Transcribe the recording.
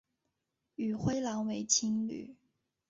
与灰狼为情侣。